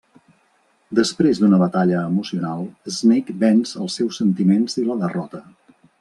Després d'una batalla emocional, Snake venç els seus sentiments i la derrota.